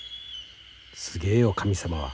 すげえよ神様は。